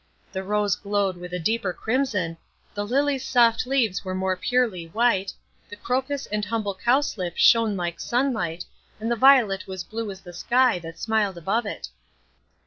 The rose glowed with a deeper crimson, the lily's soft leaves were more purely white, the crocus and humble cowslip shone like sunlight, and the violet was blue as the sky that smiled above it.